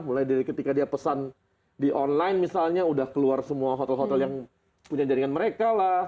mulai dari ketika dia pesan di online misalnya udah keluar semua hotel hotel yang punya jaringan mereka lah